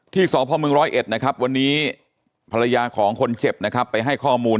ที่สพร๑๐๑วันนี้ภรรยาของคนเจ็บไปให้ข้อมูล